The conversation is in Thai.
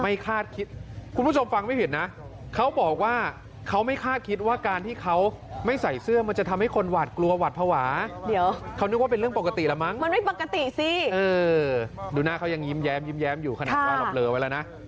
เออดูหน้าเขายังยิ้มแย้มยิ้มแย้มอยู่ขนาดว่าเราเปลือไว้แล้วนะ